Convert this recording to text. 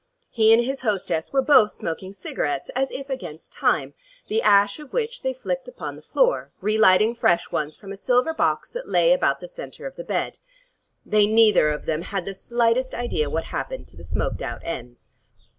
He and his hostess were both smoking cigarettes as if against time, the ash of which they flicked upon the floor, relighting fresh ones from a silver box that lay about the center of the bed. They neither of them had the slightest idea what happened to the smoked out ends.